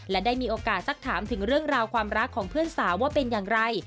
และได้มีโอกาสสักถามถึงเรื่องราวความรักของเพื่อนสาวว่าเป็นอย่างไร